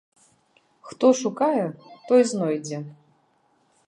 Хто шукае, той знойдзе.